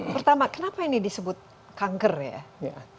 pertama kenapa ini disebut kanker ya